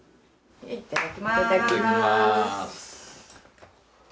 いただきます。